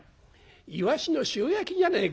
イワシの塩焼きじゃねえか。